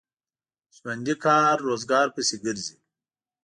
ژوندي کار روزګار پسې ګرځي